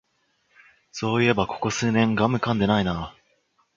そういえばここ数年ガムかんでないな